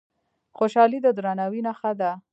خوشالي د درناوي نښه ده.